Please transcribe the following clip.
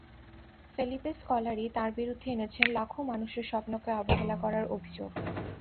Felipe Scolari তাঁর বিরুদ্ধে এনেছেন লাখো মানুষের স্বপ্নকে অবহেলা করার অভিযোগ।